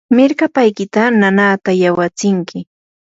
mirkapaykita nanaata yawatsinki.